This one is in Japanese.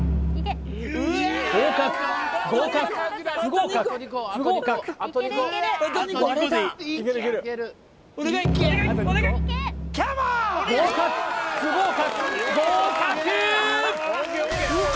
合格合格不合格不合格割れた合格不合格合格！